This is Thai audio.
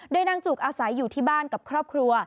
โดยนางจุกอาศัยอยู่ที่บ้านกับครอบครัว